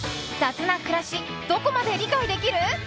雑なくらしどこまで理解できる？